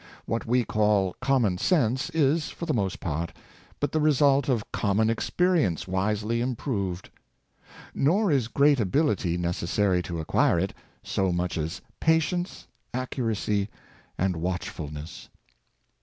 What we call common sense is, for the most part, but the result of common experience v/isely improved. Nor is great ability necessary to acquire it, so much as patience, ac 622 The School of Life, curacy, and watchfulness.